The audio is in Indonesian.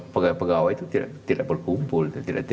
pegawai pegawai itu tidak berkumpul